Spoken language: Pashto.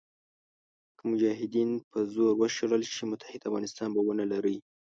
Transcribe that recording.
که مجاهدین په زور وشړل شي متحد افغانستان به ونه لرئ.